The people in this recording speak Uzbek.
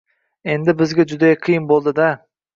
Endi bizga juda qiyin bo‘ldi-da